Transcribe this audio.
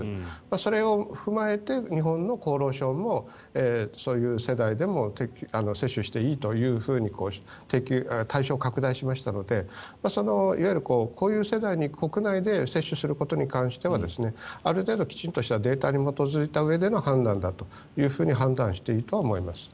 それを踏まえて日本の厚労省もそういう世代でも接種していいというふうに対象を拡大しましたのでいわゆるこういう世代に国内で接種することに関してはある程度きちんとしたデータに基づいたうえでの判断だというふうに判断していいとは思います。